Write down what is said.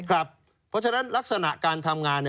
เพราะฉะนั้นลักษณะการทำงาน